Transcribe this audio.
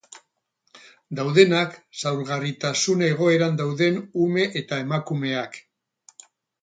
Daudenak, zaurgarritasun egoeran dauden ume eta emakumeak...